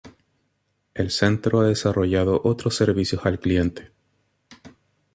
El centro ha desarrollado otros servicios al cliente.